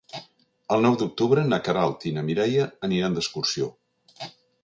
El nou d'octubre na Queralt i na Mireia aniran d'excursió.